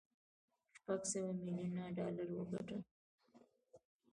شپږ سوه ميليونه ډالر وګټل.